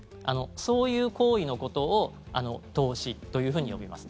そういう行為のことを投資というふうに呼びます。